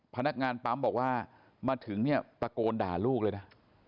พนักงานปั๊มบอกว่ามาถึงเนี่ยตะโกนด่าลูกเลยนะ